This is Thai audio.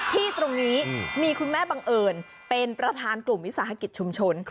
ที่ตรงนี้มีคุณแม่บังเอิญเป็นประธานกลุ่มวิสาหกิจชุมชน